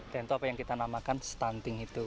dan itu apa yang kita namakan stunting itu